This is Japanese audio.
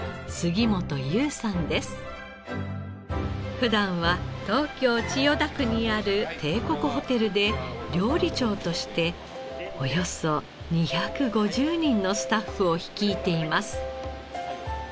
普段は東京千代田区にある帝国ホテルで料理長としておよそ２５０人のスタッフを率いています。